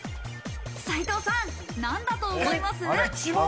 斉藤さん、なんだと思います？